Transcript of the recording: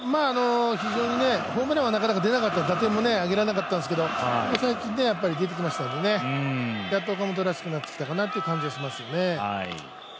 非常にホームランはなかなか出なかった、打点も挙げられなかったんですが最近、出てきましたんでねやっと岡本らしくなってきた感じですよね。